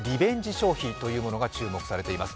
消費というものが注目されています。